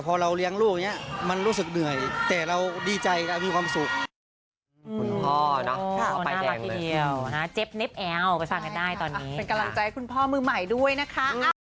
เป็นกำลังใจให้คุณพ่อมือใหม่ด้วยนะคะ